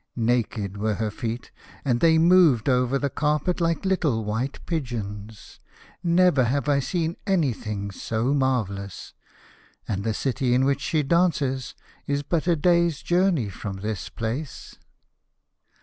Naked were her feet, and they moved over the carpet like little white pigeons. Never have I seen anything so marvellous, and the city in which she dances is but a day's journey from this place."